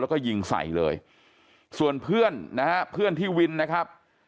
แล้วก็ยิงใส่เลยส่วนเพื่อนนะฮะเพื่อนที่วินนะครับ